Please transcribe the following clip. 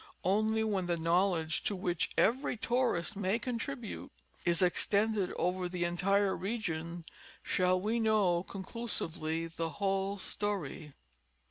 Only when the knowl edge, to which every tourist may contribute, is extended over the entire region shall we know conclusively the whole story.